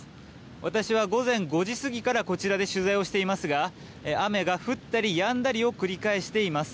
私は午前５時過ぎからこちらで取材をしていますが雨が降ったりやんだりを繰り返しています。